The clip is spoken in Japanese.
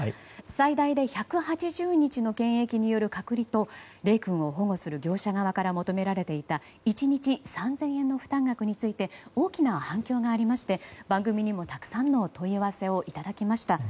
最大で１８０日の検疫による隔離とレイ君を保護する業者から求められていた１日３０００円の負担額について大きな反響がありまして番組にもたくさんの問い合わせをいただきました。